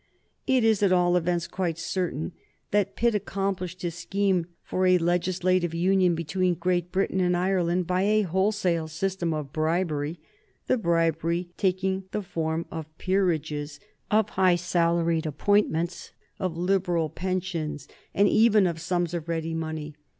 It is, at all events, quite certain that Pitt accomplished his scheme for a legislative union between Great Britain and Ireland by a wholesale system of bribery, the bribery taking the form of peerages, of high salaried appointments, of liberal pensions, and even of sums of ready money.